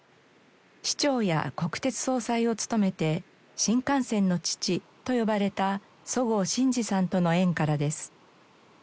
市長や国鉄総裁を務めて「新幹線の父」と呼ばれた十河信二さんとの縁からです。